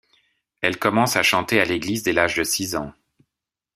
Elle commence à chanter à l’Église dès l’âge de six ans.